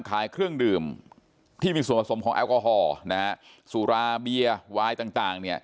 ขายเครื่องดื่มที่มีส่วนผสมของแอลกอฮอล์นะฮะสุราเบียร์วายต่าง